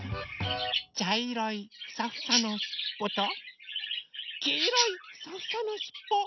ちゃいろいフサフサのしっぽときいろいフサフサのしっぽ。